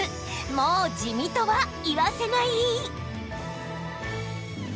もう地味とは言わせない！